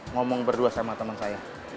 ngomong berdua sama teman saya